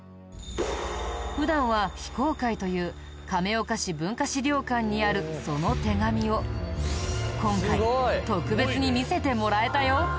普段は非公開という亀岡市文化資料館にあるその手紙を今回特別に見せてもらえたよ。